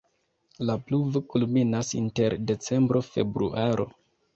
La pluvo kulminas inter decembro-februaro.